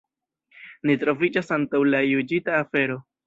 Ni troviĝas antaŭ la juĝita afero.